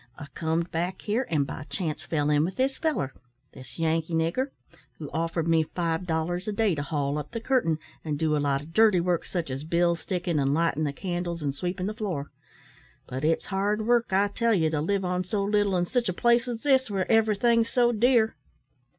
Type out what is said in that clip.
I comed back here, an' by chance fell in with this feller this Yankee nigger who offered me five dollars a day to haul up the curtain, an' do a lot o' dirty work, sich as bill stickin', an' lightin' the candles, an' sweepin' the floor; but it's hard work, I tell ye, to live on so little in sich a place as this, where everything's so dear."